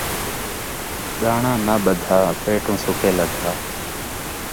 ڳاہݨاں ناں ٻدھا ، پیٹوں سُکھیں لدّھا